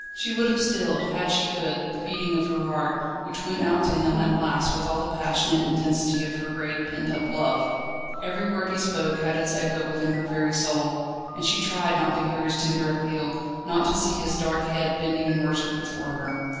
She would have stilled, an she could, the beating of her heart, which went out to him at last with all the passionate intensity of her great, pent up love. Every word he spoke had its echo within her very soul, and she tried not to hear his tender appeal, not to see his dark head bending in worship before her.